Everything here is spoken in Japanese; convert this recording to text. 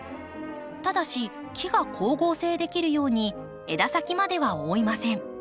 ただし木が光合成できるように枝先までは覆いません。